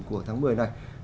của tháng một mươi này